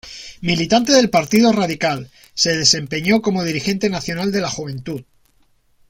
Militante del Partido Radical, se desempeñó como dirigente nacional de la Juventud.